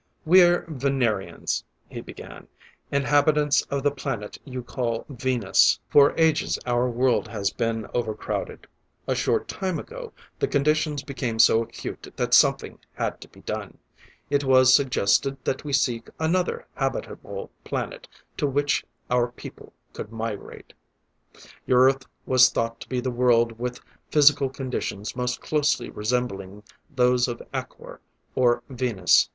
"We're Venerians," he began, "inhabitants of the planet you call Venus. For ages our world has been overcrowded. A short time ago, the conditions became so acute that something had to be done. It was suggested that we seek another habitable planet to which our people could migrate. "Your Earth was thought to be the world with physical conditions most closely resembling those of Acor, or Venus.